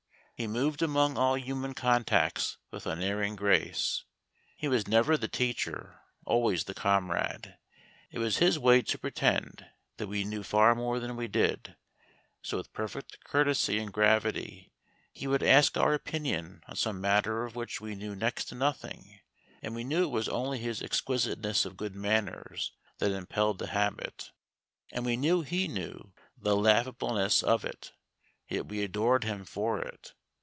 He moved among all human contacts with unerring grace. He was never the teacher, always the comrade. It was his way to pretend that we knew far more than we did; so with perfect courtesy and gravity, he would ask our opinion on some matter of which we knew next to nothing; and we knew it was only his exquisiteness of good manners that impelled the habit; and we knew he knew the laughableness of it; yet we adored him for it.